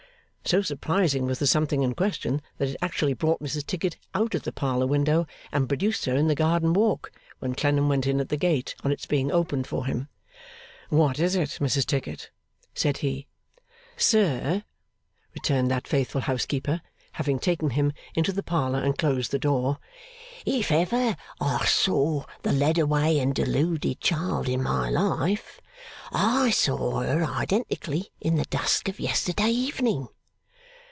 So surprising was the something in question, that it actually brought Mrs Tickit out of the parlour window and produced her in the garden walk, when Clennam went in at the gate on its being opened for him. 'What is it, Mrs Tickit?' said he. 'Sir,' returned that faithful housekeeper, having taken him into the parlour and closed the door; 'if ever I saw the led away and deluded child in my life, I saw her identically in the dusk of yesterday evening.